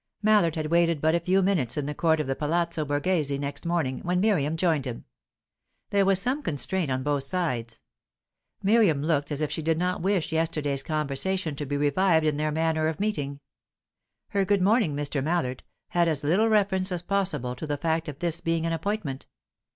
Mallard had waited but a few minutes in the court of the Palazzo Borghese next morning, when Miriam joined him. There was some constraint on both sides. Miriam looked as if she did not wish yesterday's conversation to be revived in their manner of meeting. Her "Good morning, Mr. Mallard," had as little reference as possible to the fact of this being an appointment.